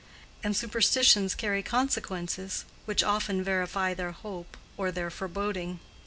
And superstitions carry consequences which often verify their hope or their foreboding.